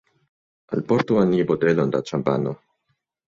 Alportu al ni botelon da ĉampano.